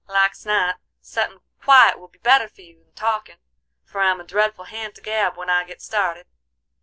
Like's not settin' quiet will be better for you 'n talkin', for I'm a dreadful hand to gab when I git started.